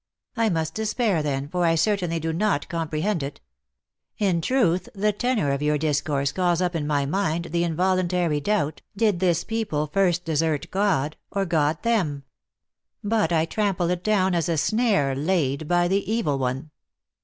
" I must despair then, for I certainly do not com prehend it. In truth, the tenor of your discourse calls up in my mind the involuntary doubt, did this people first desert God, or God them ? But I trample it down as a snare laid by the evil one."